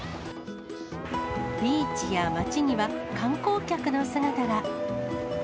ビーチや街には、観光客の姿が。